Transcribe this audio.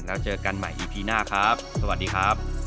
แล้วเจอกันใหม่อีพีหน้าครับสวัสดีครับ